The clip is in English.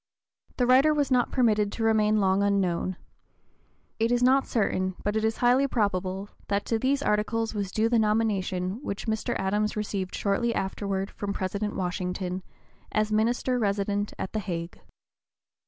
The writer was not permitted to remain long unknown. It is not certain, but it (p. 019) is highly probable, that to these articles was due the nomination which Mr. Adams received shortly afterward from President Washington, as Minister Resident at the Hague.